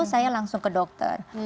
saya langsung ke dokter